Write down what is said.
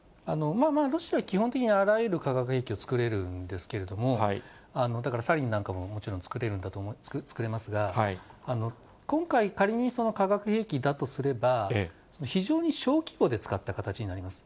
まあまあ、ロシアは基本的に、あらゆる化学兵器を作れるんですけれども、だから、サリンなんかももちろん作れますが、今回、仮に化学兵器だとすれば、非常に小規模で使った形になります。